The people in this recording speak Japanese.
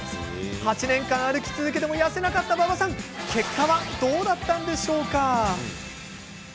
８年間、歩き続けても痩せなかった馬場さん結果はどうだったんでしょうか？